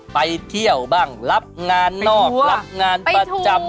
ไปเที่ยวบ้างรับงานนอกรับงานประจำ